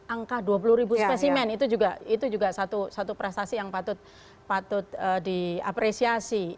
angka dua puluh ribu spesimen itu juga satu prestasi yang patut diapresiasi